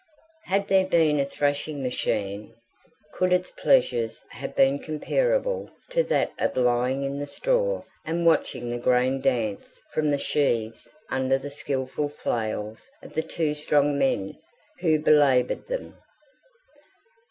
Had there been a thrashing machine, could its pleasures have been comparable to that of lying in the straw and watching the grain dance from the sheaves under the skilful flails of the two strong men who belaboured them?